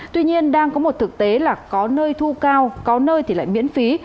tuy nhiên đang có một thực tế là có nơi thu cao có nơi thì lại miễn phí